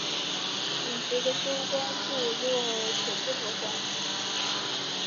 陇右的休官部落全部投降。